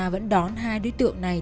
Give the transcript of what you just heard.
vẫn đón hai đối tượng này